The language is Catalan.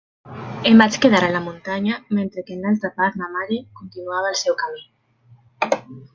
Em vaig quedar a la muntanya mentre que en l'altra part ma mare continuava el seu camí.